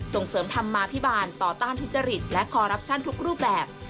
ส่งเสริมธรรมาภิบาลต่อต้านทุจริตและคอรัปชั่นทุกรูปแบบ